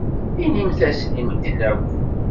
Inim-asen i medden akk.